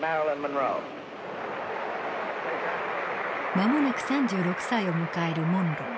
間もなく３６歳を迎えるモンロー。